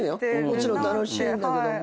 もちろん楽しいんだけども。